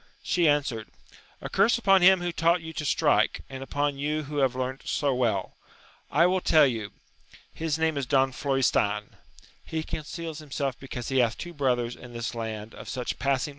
She answered, A curse upon him who taught you to strike, and upon you who have learnt so well ! I will tell you : his name is Don Florestan ; he conceals himself because he hath two brothers in this land of such passing 15—2 228 AMADIS OF GAUL.